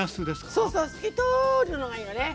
そうそう透き通るのがいいのね。